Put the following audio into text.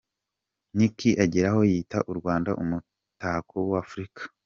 Nick ageraho yita u Rwanda “umutako w’Afurika”.